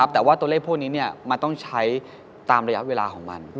แต่ว่าตัวเลขพวกนี้มันต้องใช้ตามระยะเวลาของมัน